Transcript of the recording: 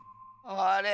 あれ？